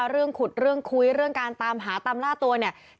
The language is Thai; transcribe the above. เรื่องขุดเรื่องคุยเรื่องการตามหาตามล่าตัวเนี่ย